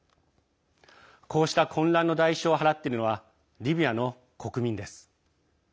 こうした混乱の代償を払っているのはリビアの国民です。